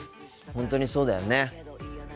本当にそうだよね。